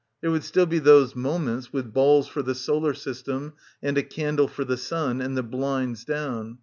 There would still be those moments, with balls for the solar system and a candle for the sun, and the blinds down.